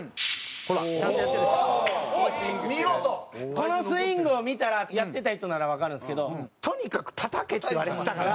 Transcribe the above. このスイングを見たらやってた人ならわかるんですけどとにかくたたけって言われてたから。